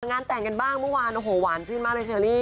งานแต่งกันบ้างเมื่อวานโอ้โหหวานชื่นมากเลยเชอรี่